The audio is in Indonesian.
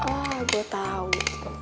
ah gue tau